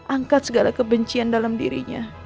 angkat segala kebencian dalam dirinya